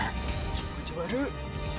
気持ち悪っ。